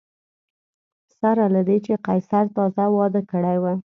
سره له دې چې قیصر تازه واده کړی و